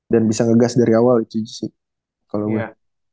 dan bisa ngegas dari awal itu sih